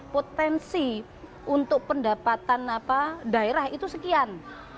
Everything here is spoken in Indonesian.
potensi untuk pendapatan daerah itu sekian